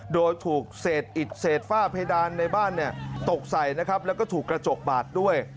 โดยถูกเศษฟ้าเพดานในบ้านตกใส่แล้วก็ถูกกระจกบาดด้วย